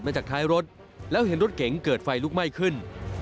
จากท้ายรถแล้วเห็นรถเก๋งเกิดไฟลุกไหม้ขึ้น